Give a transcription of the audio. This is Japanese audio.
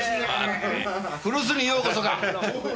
古巣にようこそか。